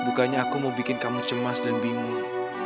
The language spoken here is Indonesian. bukannya aku mau bikin kamu cemas dan bingung